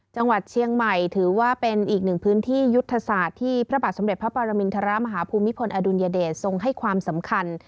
จังหวัดเชียงใหม่ถือว่าเป็นอีกหนึ่งพื้นที่ยุทธศาสตร์ที่พระบาทสมเด็จพระปรมินทรมาฮภูมิพลอดุลยเดชทรงให้ความสำคัญ